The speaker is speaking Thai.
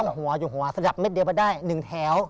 ต้องหัวอยู่หัวสลับเม็ดเดียวไม่ได้หนึ่งแถว